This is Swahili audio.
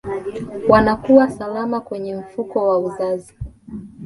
wanakuwa salama kwenye mfuko wa uzazi